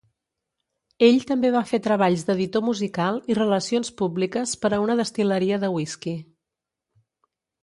Ell també va fer treballs d'editor musical i relacions públiques per a una destil·leria de whisky.